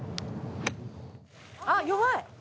あっ弱い。